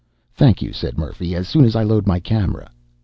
"Thank you," said Murphy. "As soon as I load my camera."